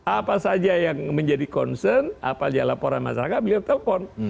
apa saja yang menjadi concern apa saja laporan masyarakat beliau telpon